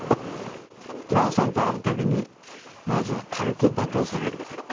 真生さんと会うたびに、まずは軽く罵倒される。